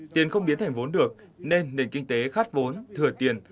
tiền không biến thành vốn được nên nền kinh tế khát vốn thừa tiền